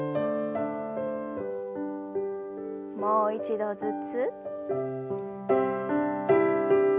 もう一度ずつ。